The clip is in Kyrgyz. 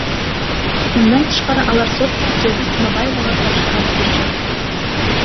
Мындан тышкары алар сот Жылдыз Жумабаевага каршы арыз беришет.